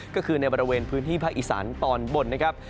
ก็คือในบริเวณพื้นที่ภาคอีสานตอนบนนะครับ